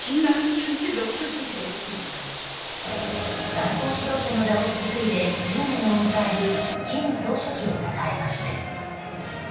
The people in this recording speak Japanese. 最高指導者の座を引き継いで１０年を迎える金総書記をたたえました。